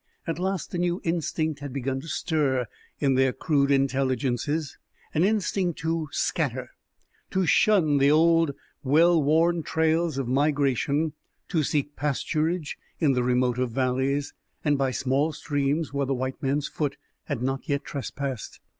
At last a new instinct had begun to stir in their crude intelligences, an instinct to scatter, to shun the old, well worn trails of migration, to seek pasturage in the remoter valleys and by small streams where the white man's foot had not yet trespassed.